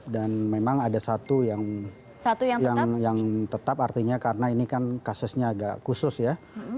dan memang ada satu yang tetap artinya karena ini kan kasusnya agak khusus ya